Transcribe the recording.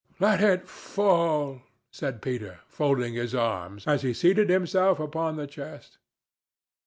"Let it fall," said Peter, folding his arms, as he seated himself upon the chest.